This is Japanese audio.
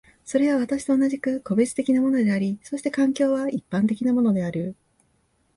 それは私と同じく個別的なものであり、そして環境は一般的なものである。